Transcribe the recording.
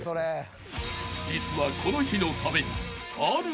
［実はこの日のために］